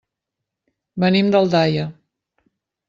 Venim d'Aldaia.